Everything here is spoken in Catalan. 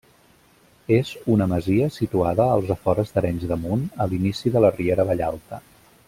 És una masia situada als afores d'Arenys de Munt a l'inici de la Riera Vallalta.